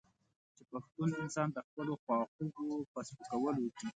چې پښتون انسان د خپلو خواخوږو په سپکولو کې.